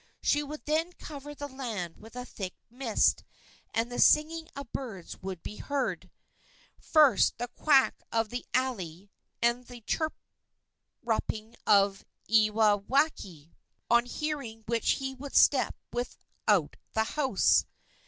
She would then cover the land with a thick mist, and the singing of birds would be heard; first the quack of the alae and the chirruping of ewaewaiki, on hearing which he would step without the house.